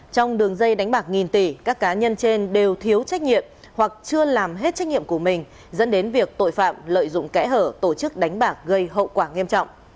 trong đường dây đánh bạc nghìn tỷ các cá nhân trên đều thiếu trách nhiệm hoặc chưa làm hết trách nhiệm của mình dẫn đến việc tội phạm lợi dụng kẽ hở tổ chức đánh bạc gây hậu quả nghiêm trọng